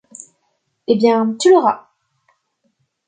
Eh bien, tu l’auras.